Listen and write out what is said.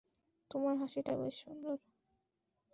তোমার হাসিটা বেশ সুন্দর।